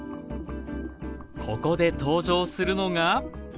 ここで登場するのが？